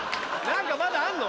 何かまだあんの？